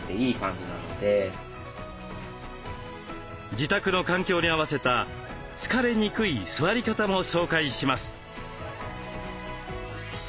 自宅の環境に合わせた疲れにくい座り方も紹介します。